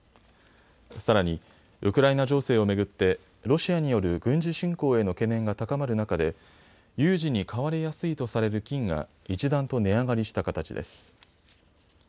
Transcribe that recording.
さらに、ウクライナ情勢を巡ってロシアによる軍事侵攻への懸念が高まる中で有事に買われやすいとされる金が一段と値上がりした形です。